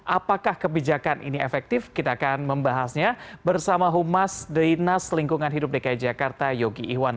apakah kebijakan ini efektif kita akan membahasnya bersama humas dinas lingkungan hidup dki jakarta yogi iwan